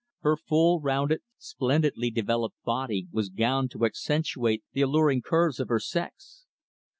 Her full rounded, splendidly developed body was gowned to accentuate the alluring curves of her sex.